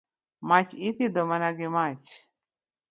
Mach ithiedho mana gi mach.